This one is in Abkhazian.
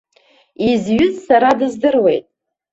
Изҩыз сара дыздыруеит.